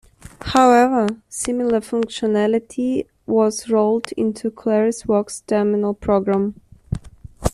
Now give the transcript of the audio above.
However, similar functionality was rolled into ClarisWorks' terminal program.